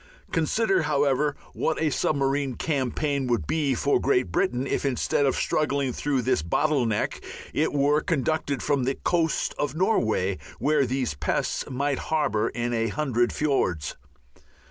Consider, however, what a submarine campaign would be for Great Britain if instead of struggling through this bottle neck it were conducted from the coast of Norway, where these pests might harbour in a hundred fiords.